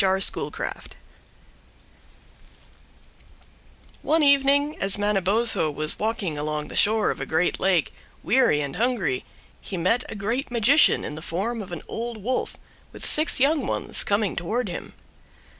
R. Schoolcraft One evening, as Manabozho was walking along the shore of a great lake, weary and hungry, he met a great magician in the form of an Old Wolf, with six young ones, coming toward him.